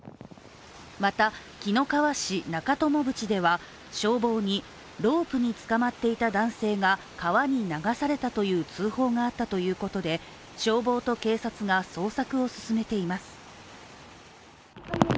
また紀の川市中鞆渕では消防にロープにつかまっていた男性が川に流されたという通報があったということで消防と警察が捜索を進めています。